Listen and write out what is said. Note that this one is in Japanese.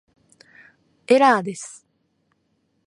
エラーです